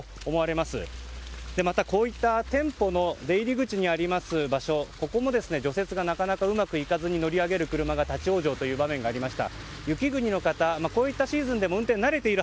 またこういった店舗の出入り口にある場所も除雪がなかなかうまくいかずに乗り上げる車が立ち往生という場面がありました。